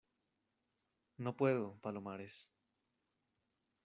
no puedo, Palomares.